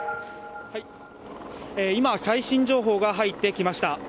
今、最新情報が入ってきました。